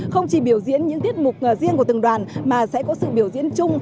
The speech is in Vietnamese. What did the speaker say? không chỉ biểu diễn những tiết mục riêng của từng đoàn mà sẽ có sự biểu diễn chung